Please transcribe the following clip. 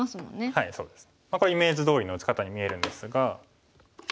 はいそうです。これイメージどおりの打ち方に見えるんですが。